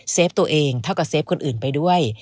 เฟฟตัวเองเท่ากับเซฟคนอื่นไปด้วย